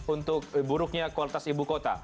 untuk buruknya kualitas ibu kota